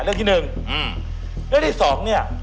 เรื่องที่หนึ่งอืมเรื่องที่สองเนี่ย